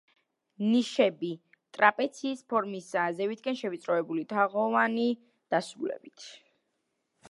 ნიშები ტრაპეციის ფორმისაა, ზევითკენ შევიწროებული, თაღოვანი დასრულებით.